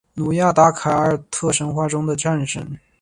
努亚达凯尔特神话中的战神。